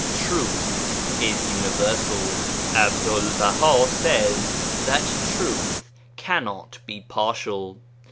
Truth is universal. Abdul Baha says that truth cannot be partial.